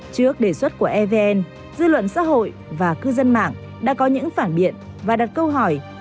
trước đề xuất của evn dư luận xã hội và cư dân mạng đã có những phản biện và đặt câu hỏi